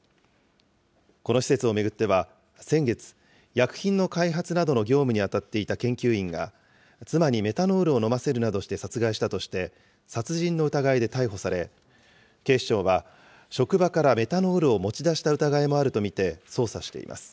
この施設を巡っては、先月、薬品の開発などの業務に当たっていた研究員が、妻にメタノールを飲ませるなどして殺害したとして、殺人の疑いで逮捕され、警視庁は、職場からメタノールを持ち出した疑いもあると見て捜査しています。